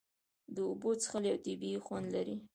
د اوبو څښل یو طبیعي خوند لري.